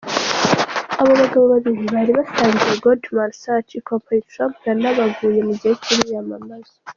Abo bagabo babiri bari basangiye Goldman Sachs, ikompanyi Trump yanebaguye mu gihe c’imyiyamamazo.